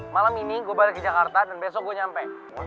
malam ini gue baru ke jakarta dan besok gue nyampe